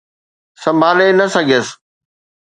سنڀالي نه سگهيس